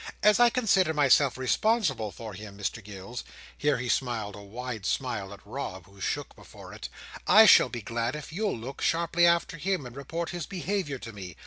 As I consider myself responsible for him, Mr Gills," here he smiled a wide smile at Rob, who shook before it: "I shall be glad if you'll look sharply after him, and report his behaviour to me.